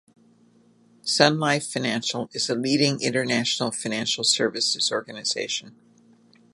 Sun Life Financial is a leading international financial services organization.